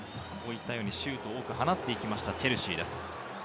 シュートを多く放っていきました、チェルシーです。